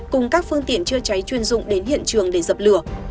cùng các phương tiện chữa cháy chuyên dụng đến hiện trường để dập lửa